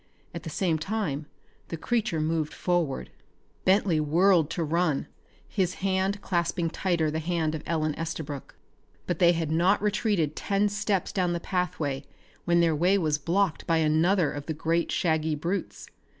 At the same time the creature moved forward. Bentley whirled to run, his hand clasping tighter the hand of Ellen Estabrook. But they had not retreated ten steps down the pathway when their way was blocked by another of the great shaggy brutes.